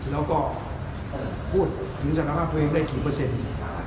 แล้วก็พูดถึงสถานภาพตัวเองได้กี่เปอร์เซ็นต์